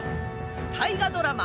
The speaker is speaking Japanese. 大河ドラマ